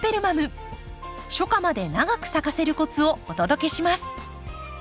初夏まで長く咲かせるコツをお届けします。